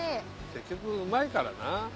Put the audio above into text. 結局うまいからな。